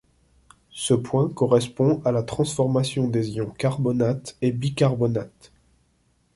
Ce point correspond à la transformation des ions carbonates et bicarbonates.